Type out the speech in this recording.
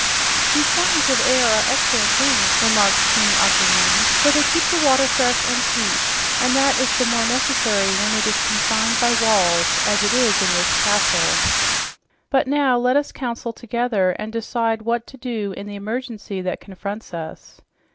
"These fountains of air are excellent things," remarked Queen Aquareine, "for they keep the water fresh and sweet, and that is the more necessary when it is confined by walls, as it is in this castle. But now, let us counsel together and decide what to do in the emergency that confronts us."